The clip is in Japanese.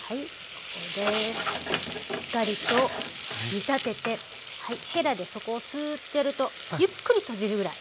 これでしっかりと煮たててへらで底をスーッてやるとゆっくり閉じるぐらい。